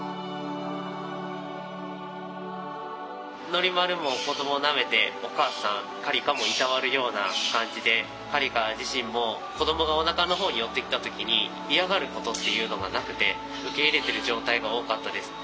ノリマルも子どもなめてお母さんカリカもいたわるような感じでカリカ自身も子どもがおなかの方に寄ってきた時に嫌がることっていうのがなくて受け入れてる状態が多かったです。